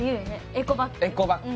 エコバッグ。